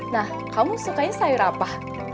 nah kamu sukanya sayur apa